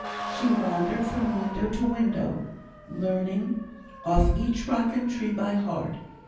She wandered from window to window, learning off each rock and tree by heart.